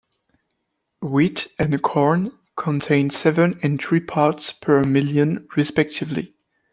Wheat and corn contain seven and three parts per million respectively.